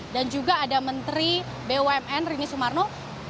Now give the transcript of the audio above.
dan juga ada menteri bumn rini sumarno